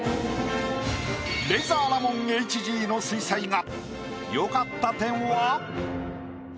レイザーラモンＨＧの水彩画。